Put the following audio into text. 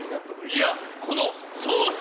いやこのソース